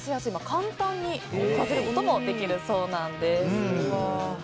簡単に咲かせることもできるそうなんです。